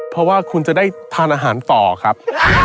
เพราะว่าคุณจะได้ทานอาหารต่อครับ